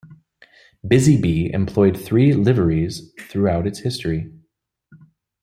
Busy Bee employed three liveries throughout its history.